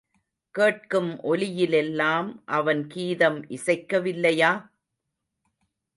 கேட்கும் ஒலியிலெல்லாம் அவன் கீதம் இசைக்க வில்லையா?